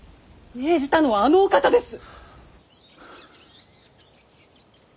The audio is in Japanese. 命じたのはあのお方です！